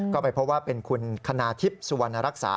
ก็ไปพบว่าเป็นคุณคณาทิพย์สุวรรณรักษา